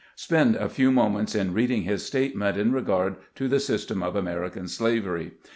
Spend a few moments in reading his statement in regard to the system of American slavery.